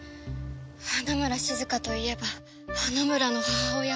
花村静香といえば花村の母親。